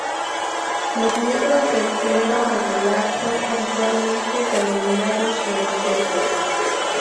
Los miembros del clero regular son habitualmente denominados religiosos.